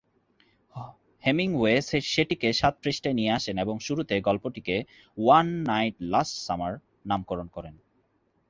Hemingway সেটিকে সাত পৃষ্ঠায় নিয়ে আসেন এবং শুরুতে গল্পটিকে "ওয়ান নাইট লাস্ট সামার" নামকরণ করেন।